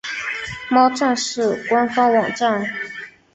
猫战士官方网站